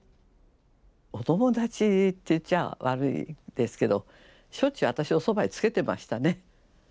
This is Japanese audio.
お友達って言っちゃ悪いですけどしょっちゅう私をそばへつけてましたね。